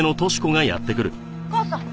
母さん。